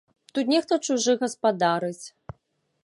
Тут нехта чужы гаспадарыць!